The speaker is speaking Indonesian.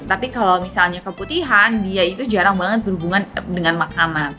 tapi kalau misalnya keputihan dia itu jarang banget berhubungan dengan makanan